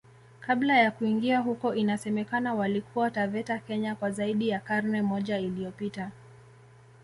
Kabla ya kuingia huko inasemekana walikuwa Taveta Kenya kwa zaidi ya karne moja iliyopita